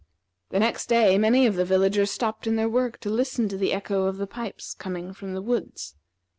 The next day many of the villagers stopped in their work to listen to the echo of the pipes coming from the woods.